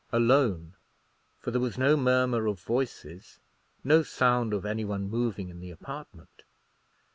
Alone; for there was no murmur of voices, no sound of any one moving in the apartment.